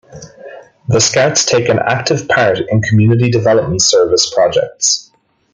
The Scouts take an active part in community development service projects.